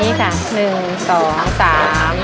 พี่ดาขายดอกบัวมาตั้งแต่อายุ๑๐กว่าขวบ